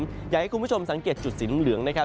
อยากให้คุณผู้ชมสังเกตจุดสีเหลืองนะครับ